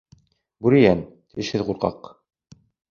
Бүрейән - тешһеҙ ҡурҡаҡ!